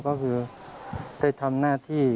ก็คือได้ทำหน้าที่